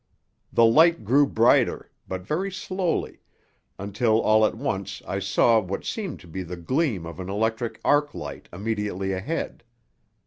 The light grew brighter, but very slowly, until all at once I saw what seemed to be the gleam of an electric arc light immediately ahead.